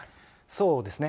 そうですね。